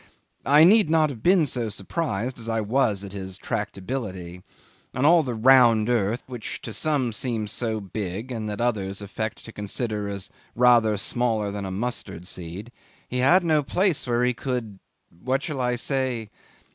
I need not have been so surprised as I was at his tractability. On all the round earth, which to some seems so big and that others affect to consider as rather smaller than a mustard seed, he had no place where he could what shall I say?